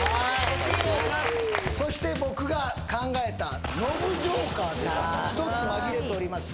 欲しいそして僕が考えたノブジョーカーというのが１つ紛れております